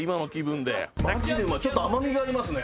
ちょっと甘みがありますね。